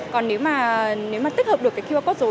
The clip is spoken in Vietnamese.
còn nếu mà tích hợp được cái qr code rồi